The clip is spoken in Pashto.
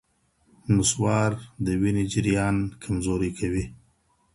نصوار د وینې جریان کمزوری کوي.